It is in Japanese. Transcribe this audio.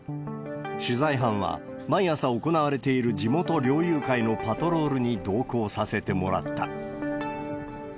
取材班は、毎朝行われている地元猟友会のパトロールに同行させてもらった。